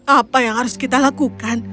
apa yang harus kita lakukan